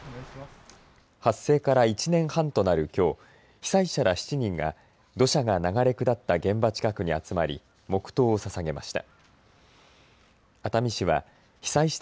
発生から１年半となる、きょう被災者ら７人が土砂が流れ下った現場近くに集まり黙とうをささげました。